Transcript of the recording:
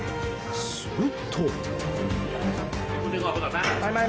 すると。